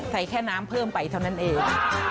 แค่น้ำเพิ่มไปเท่านั้นเอง